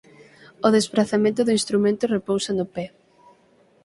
O desprazamento do instrumento repousa no pé.